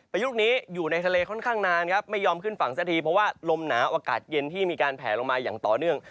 ยุลูกนี้อยู่ในทะเลค่อนข้างนานครับไม่ยอมขึ้นฝั่งสักทีเพราะว่าลมหนาวอากาศเย็นที่มีการแผลลงมาอย่างต่อเนื่อง